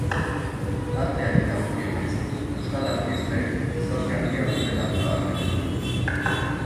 Arteari dagokionez, euskal artistek zorte handia dutela nabarmendu du.